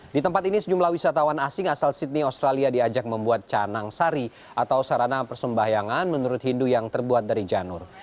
di tempat ini sejumlah wisatawan asing asal sydney australia diajak membuat canang sari atau sarana persembahyangan menurut hindu yang terbuat dari janur